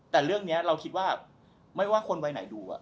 แต่เรื่องนี้เราคิดว่าไม่ว่าคนวัยไหนดู